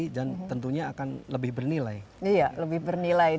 ya untuk ini akan menjadi seperti